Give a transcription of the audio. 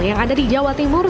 yang ada di jawa timur